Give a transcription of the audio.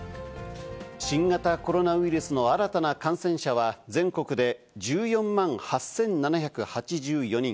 新型コロナウイルスの新たな感染者は、全国で１４万８７８４人。